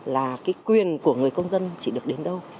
là cái quyền của người công dân chỉ được đến đâu